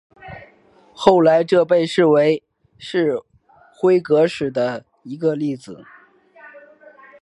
后来这被视为是辉格史的一个例子。